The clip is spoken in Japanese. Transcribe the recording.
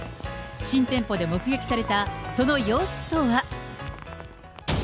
新店舗で目撃されたその様子とは。